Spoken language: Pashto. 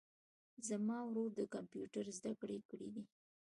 زما ورور د کمپیوټر زده کړي کړیدي